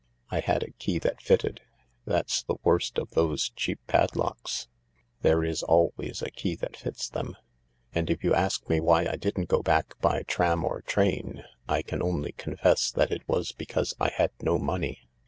I had a key that fitted. That's the worst of those cheap pad locks—there is always a key that fits them. And if you ask me why I didn't go back by tram or train, I can only con fess that it was because I had no money.